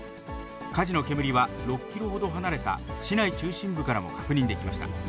火事の煙は、６キロほど離れた市内中心部からも確認できました。